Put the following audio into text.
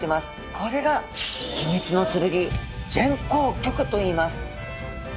これが秘密の剣前向棘といいます。